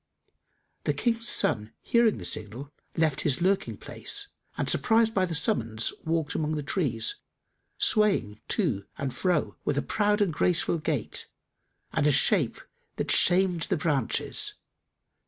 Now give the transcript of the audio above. The King's son hearing the signal, left his lurking place and, surprised by the summons, walked among the trees, swaying to and fro with a proud and graceful gait and a shape that shamed the branches.